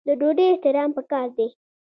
د ډوډۍ احترام پکار دی.